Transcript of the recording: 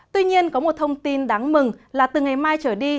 tuy nhiên có một thông tin đáng mừng là từ ngày mai trở đi